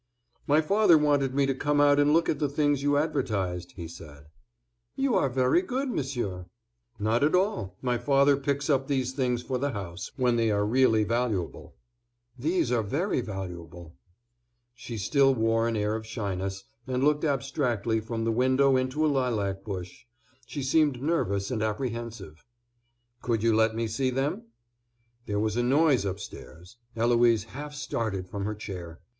"My father wanted me to come out and look at the things you advertised," he said. "You are very good, Monsieur." "Not at all; my father picks up these things for the house, when they are really valuable." "These are very valuable." She still wore an air of shyness, and looked abstractedly from the window into a lilac bush; she seemed nervous and apprehensive. "Could you let me see them?" There was a noise upstairs. Eloise half started from her chair.